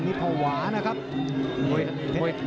ชื่อแสนชัยน้อย